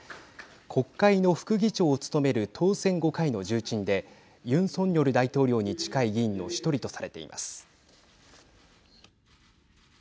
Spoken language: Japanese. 国会の副議長を務める当選５回の重鎮でユン・ソンニョル大統領に近い議員の１人とされています。